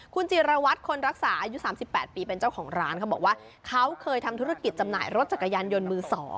คุณจิรวัตรคนรักษาอายุ๓๘ปีเป็นเจ้าของร้านเขาบอกว่าเขาเคยทำธุรกิจจำหน่ายรถจักรยานยนต์มือ๒